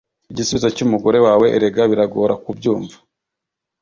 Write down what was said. igisubizo cyumugore wawe erega biragora kubyumva